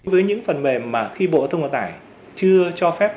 với những phần mềm mà khi bộ giao thông vận tải chưa cho phép